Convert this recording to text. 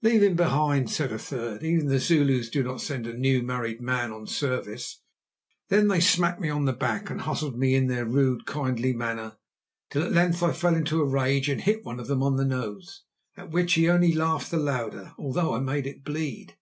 "Leave him behind," said a third. "Even the Zulus do not send a new married man on service." Then they smacked me on the back, and hustled me in their rude, kindly manner, till at length I fell into a rage and hit one of them on the nose, at which he only laughed the louder, although I made it bleed.